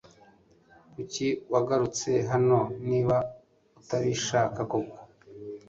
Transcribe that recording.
Kuki wagarutse hano niba utabishaka koko?